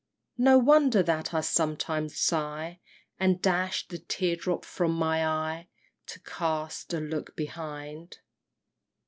No wonder that I sometimes sigh, And dash the tear drop from my eye, To cast a look behind!